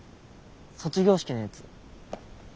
卒業式のやつ。